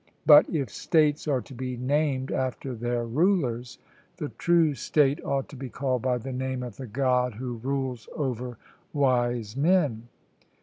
But if states are to be named after their rulers, the true state ought to be called by the name of the God who rules over wise men.